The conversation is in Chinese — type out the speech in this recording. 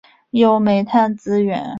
有煤炭资源。